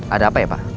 ada apa ya pak